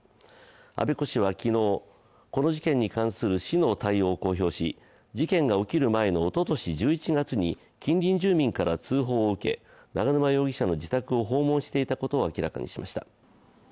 我孫子市は昨日、この事件に関する市の対応を公表し事件が起きる前のおととし１１月に近隣住民から通報を受け永沼容疑者の自宅を訪問していたことを明らかにしました。